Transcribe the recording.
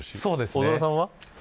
大空さんは。